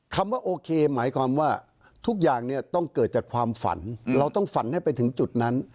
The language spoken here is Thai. ว่าโอเคหมายความว่าทุกอย่างเนี่ยต้องเกิดจากความฝันเราต้องฝันให้ไปถึงจุดนั้น